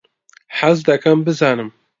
حەز دەکەم بزانم.